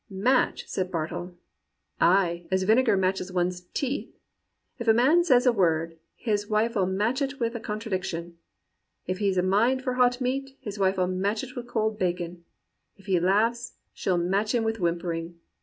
"* Match!' said Bartle; *ay, as vinegar matches one's teeth. If a man says a word, his wife '11 match it with a contradiction; if he's a mind for hot meat, his wife '11 match it with cold bacon; if he laughs, she'll match him with whimpering.